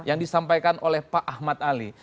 yang disampaikan oleh pak ahmad ali